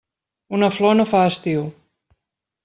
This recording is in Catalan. Una flor no fa estiu.